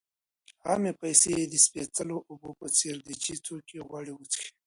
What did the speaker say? عامې پیسې د سپېڅلو اوبو په څېر دي چې څوک یې غواړي وڅښي.